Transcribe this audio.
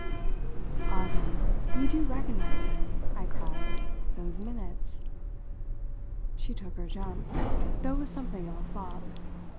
"Ah, then, you do recognise them," I cried "those minutes?" She took her jump, though with something of a flop.